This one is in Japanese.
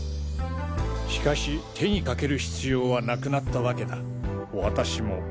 しかし手にかける必要はなくなったわけだ私も。